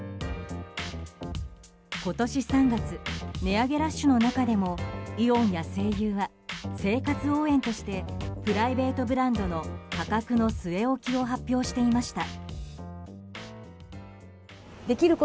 今年３月値上げラッシュの中でもイオンや西友は生活応援としてプライベートブランドの価格の据え置きを発表していました。